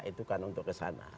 itu kan untuk ke sana